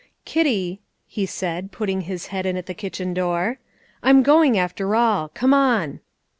"Kitty," he said, putting his head in at the kitchen door, "I'm going, after all; come on."